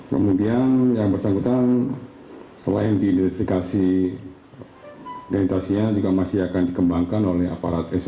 kemudian yang bersangkutan selain diidentifikasi identitasinya juga masih akan dikembangkan oleh aparat s delapan puluh delapan